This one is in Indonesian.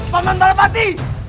pak man balapati